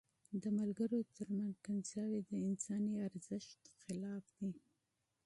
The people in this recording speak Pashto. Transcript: د ملګرو تر منځ کنځاوي د انساني ارزښت خلاف دي.